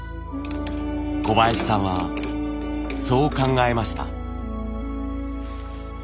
小林さんはそう考えました。